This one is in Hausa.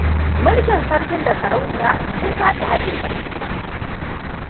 Mulkin Sarkin da Sarauniya sun sake haɗe karfinsu.